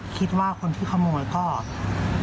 คิดว่าคนที่ขโมยก็